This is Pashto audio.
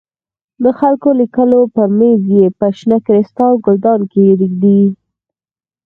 د خپلو لیکلو پر مېز یې په شنه کریسټال ګلدان کې کېږدې.